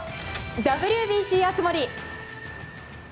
ＷＢＣ熱盛！